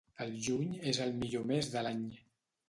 El juny és el millor mes de l'any.